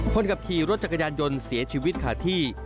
คนขับขี่รถจักรยานยนต์เสียชีวิตขาดที่